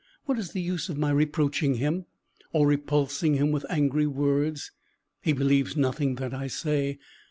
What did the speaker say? What is the use of my reproaching him, or repulsing him with angry words? He believes nothing that I say.